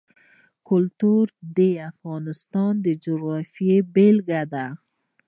کلتور د افغانستان د جغرافیې بېلګه ده.